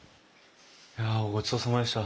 いやごちそうさまでした。